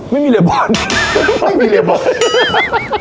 ไม่มีเรียบร้อยไม่มีเรียบร้อย